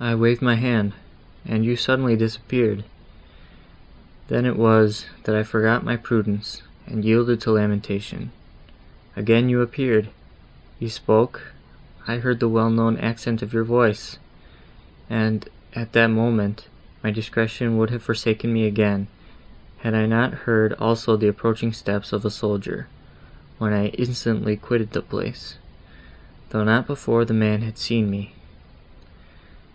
I waved my hand, and you suddenly disappeared; then it was, that I forgot my prudence, and yielded to lamentation; again you appeared—you spoke—I heard the well known accent of your voice! and, at that moment, my discretion would have forsaken me again, had I not heard also the approaching steps of a soldier, when I instantly quitted the place, though not before the man had seen me.